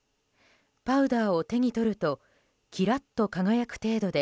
パウダーを手に取るときらっと輝く程度で